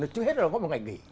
chứ hết là nó có một ngày nghỉ